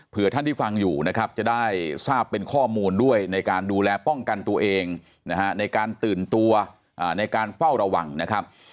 เพื่อท่านที่ฟังอยู่นะครับจะได้ทราบเป็นข้อมูลด้วยในการดูแลป้องกันตัวเองนะฮะในการตื่นตัวในการเฝ้าระวังนะครับ